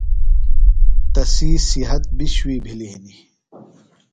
تسی صِحت بیۡ شُوئی بِھلیۡ ہِنیۡ۔